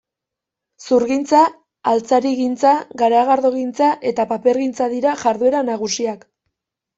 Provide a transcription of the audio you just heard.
Zurgintza, altzarigintza, garagardogintza eta papergintza dira jarduera nagusiak.